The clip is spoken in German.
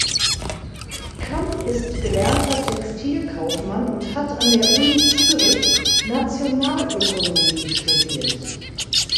Kamm ist gelernter Textilkaufmann und hat an der Uni Zürich Nationalökonomie studiert.